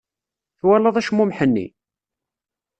Twalaḍ acmumeḥ-nni?